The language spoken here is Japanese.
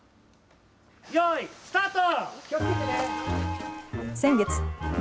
よーい、スタート。